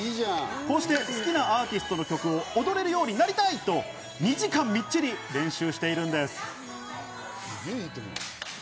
こうして好きなアーティストの曲を踊れるようになりたいと２時間すげえいいと思う。